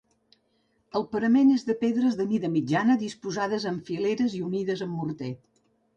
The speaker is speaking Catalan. El parament és de pedres de mida mitjana, disposades en fileres i unides amb morter.